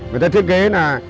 người ta thiết kế là